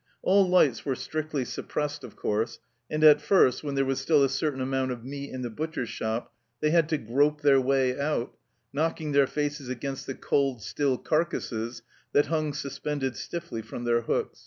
All lights were strictly suppressed of course, and at first, when there was still a certain amount of meat in the butcher's shop, they had to grope their way out, knocking their faces against the cold, still carcasses that hung suspended stiffly from their hooks.